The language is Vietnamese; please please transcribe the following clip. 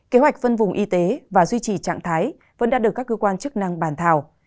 kế hoạch phân vùng y tế và duy trì trạng thái vẫn đã được các cơ quan chức năng bàn thảo